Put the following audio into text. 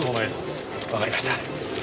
わかりました。